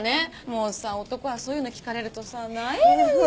もうさ男はそういうの聞かれるとさなえるんだよ。